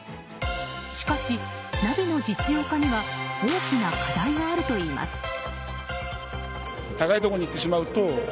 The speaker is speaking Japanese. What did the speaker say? しかしナビの実用化には大きな課題があるといいます。